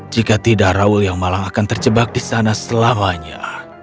jika tidak raul yang malang akan terjebak di sana selamanya